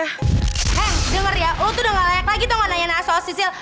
heng dengar ya lo tuh udah gak layak lagi dong nanya nanya soal sisil